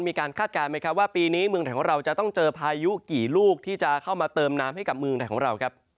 คาดการณ์ไหมครับว่าปีนี้เมืองไทยของเราจะต้องเจอพายุกี่ลูกที่จะเข้ามาเติมน้ำให้กับเมืองไทยของเราครับ